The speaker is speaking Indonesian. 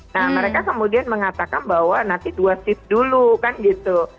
nah mereka kemudian mengatakan bahwa nanti dua shift dulu kan gitu